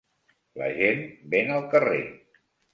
La gent ven al carrer.